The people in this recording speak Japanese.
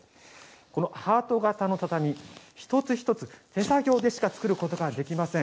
このハート形の畳一つ一つ手作業でしか作ることができません。